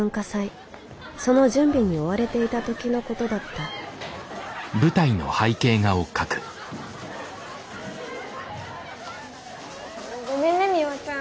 その準備に追われていた時のことだったごめんねミワちゃん。